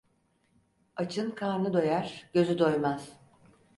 Açın karnı doyar gözü doymaz.